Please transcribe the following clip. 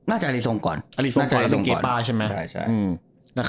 อารีทรวงก่อน